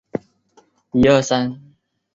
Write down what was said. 测波即测量波浪。